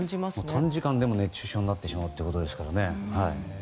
短時間でも熱中症になってしまうということですからね。